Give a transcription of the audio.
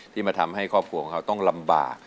มาทำให้ครอบครัวของเขาต้องลำบาก